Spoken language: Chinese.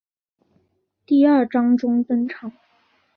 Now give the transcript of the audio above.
第二章中登场。